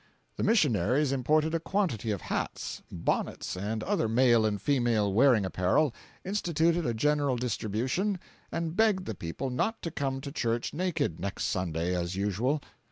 The missionaries imported a quantity of hats, bonnets, and other male and female wearing apparel, instituted a general distribution, and begged the people not to come to church naked, next Sunday, as usual.